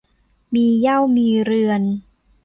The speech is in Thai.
มีเหย้ามีเรือน